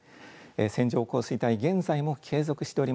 線状降水帯、現在も継続しており